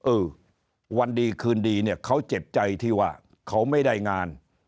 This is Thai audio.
เออวันดีคืนดีเนี่ยเขาเจ็บใจที่ว่าเขาไม่ได้งาน